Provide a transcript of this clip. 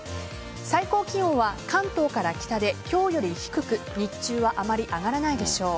最高気温は関東から北で今日より低く日中はあまり上がらないでしょう。